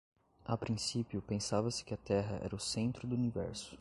A princípio, pensava-se que a Terra era o centro do universo.